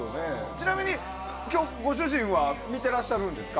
ちなみに、今日ご主人は見てらっしゃるんですか？